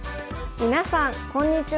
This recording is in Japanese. みなさんこんにちは。